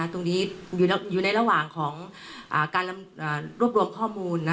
ตรงนี้อยู่ในระหว่างของการรวบรวมข้อมูล